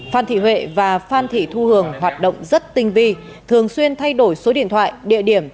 phan thị huệ và phan thị thu hường hoạt động rất tinh vi thường xuyên thay đổi số điện thoại địa điểm